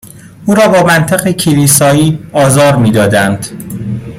او را با منطق کلیسایی آزار می دادند